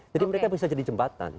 jadi mereka bisa jadi jembatan